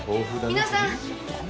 皆さん！